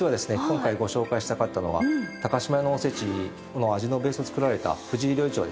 今回ご紹介したかったのが島屋のおせちの味のベースを作られた藤井料理長です。